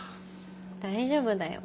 大丈夫だよ。